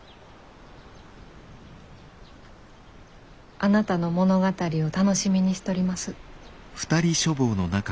あなたの物語を楽しみにしとります。